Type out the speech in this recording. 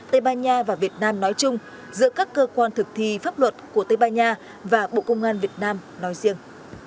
tây ban nha và việt nam nói chung giữa các cơ quan thực thi pháp luật của tây ban nha và bộ công an việt nam nói riêng